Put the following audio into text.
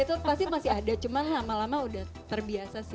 itu pasti masih ada cuman lama lama udah terbiasa sih